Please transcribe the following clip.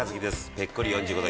ぺっこり４５度。